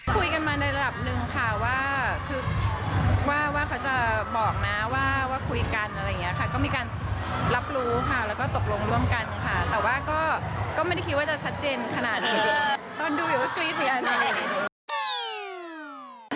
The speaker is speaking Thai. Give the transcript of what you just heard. คุยกันมาในระดับหนึ่งค่ะว่าคือว่าเขาจะบอกนะว่าคุยกันอะไรอย่างนี้ค่ะก็มีการรับรู้ค่ะแล้วก็ตกลงร่วมกันค่ะแต่ว่าก็ไม่ได้คิดว่าจะชัดเจนขนาดนี้ตอนดูอยู่ก็กรี๊ดหรืออะไรอย่างนี้